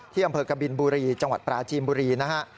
อำเภอกบินบุรีจังหวัดปราจีนบุรีนะฮะ